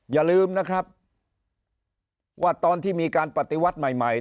อย่าลืมนะครับว่าตอนที่มีการปฏิวัติใหม่ใหม่